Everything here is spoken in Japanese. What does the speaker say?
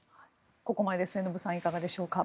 ここまでで末延さんいかがでしょうか？